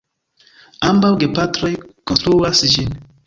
Ambaŭ gepatroj konstruas ĝin.